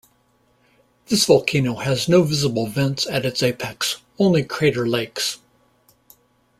This volcano has no visible vents at its apex, only crater lakes.